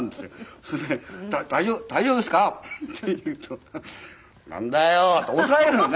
それで「大丈夫ですか？」って言うと「なんだよ」って押さえるのね。